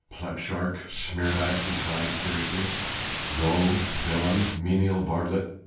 "Plepshurk! smeerlap!" he cried fiercely. "Rogue! Villain! Menial! Varlet!